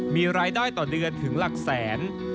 มีรายได้ต่อเดือนถึงหลักแสน